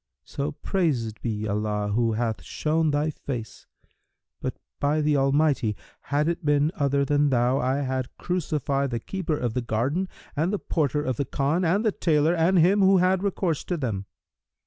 'So praised be Allah who hath shown thy face! But, by the almighty, had it been other than thou, I had crucified the keeper of the garden and the porter of the Khan and the tailor and him who had recourse to them!'